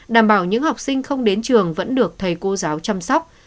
đảm bảo những học sinh không đến trường vẫn được thầy cô giáo chăm sóc